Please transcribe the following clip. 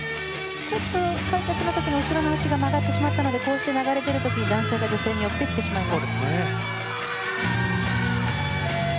回転の時に後ろの脚が曲がってしまったのでこうして流れている時男性が女性に寄っていってしまいます。